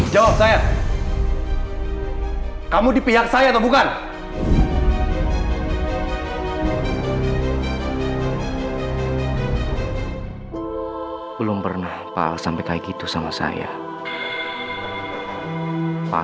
jawab saya kamu di pihak saya bukan belum pernah sampai kayak gitu sama saya